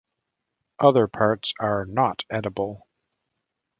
Other parts are not edible.